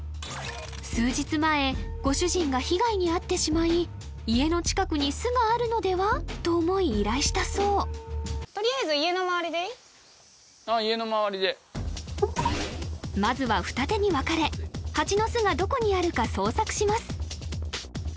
数日前ご主人が被害に遭ってしまい家の近くに巣があるのではと思い依頼したそうまずは二手に分かれハチの巣がどこにあるか捜索します